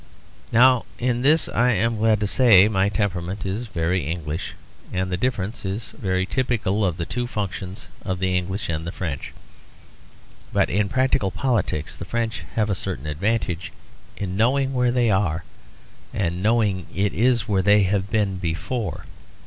Now in this, I am glad to say, my temperament is very English; and the difference is very typical of the two functions of the English and the French. But in practical politics the French have a certain advantage in knowing where they are, and knowing it is where they have been before.